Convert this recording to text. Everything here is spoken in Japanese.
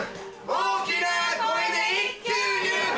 大きな声で「一球入魂」